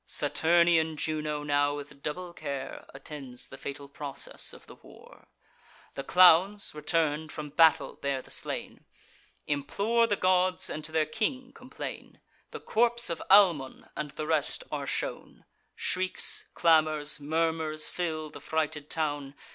Saturnian Juno now, with double care, Attends the fatal process of the war. The clowns, return'd, from battle bear the slain, Implore the gods, and to their king complain. The corps of Almon and the rest are shown; Shrieks, clamours, murmurs, fill the frighted town.